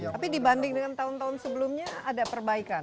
tapi dibandingkan tahun tahun sebelumnya ada perbaikan